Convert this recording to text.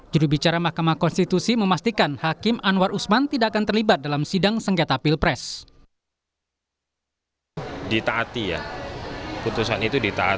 judul bicara mk memastikan hakim anwar usman tidak akan terlibat dalam suatu hal